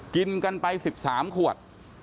กินกันไป๑๓ขวด